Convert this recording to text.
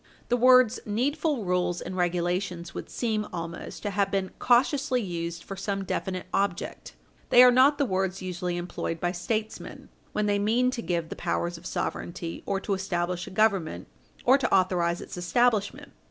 The words "needful rules and regulations" would seem also to have been cautiously used for some definite object. They are not the words usually employed by statesmen when they mean to give the powers of sovereignty, or to establish a Government, or to authorize its establishment.